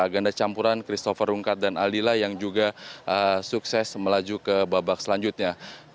ganda campuran christopher rungkat dan aldila yang juga sukses melaju ke babak selanjutnya